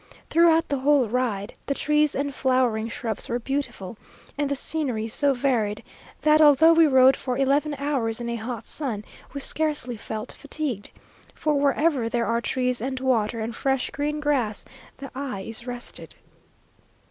Throughout the whole ride, the trees and flowering shrubs were beautiful, and the scenery so varied, that although we rode for eleven hours in a hot sun, we scarcely felt fatigued, for wherever there are trees and water and fresh green grass, the eye is rested.